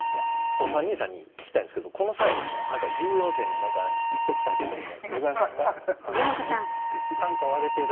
お三人さんに聞きたいんですけどこの際１４世に何か言っときたいこととかございますか？